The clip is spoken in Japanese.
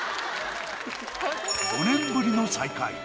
５年ぶりの再会。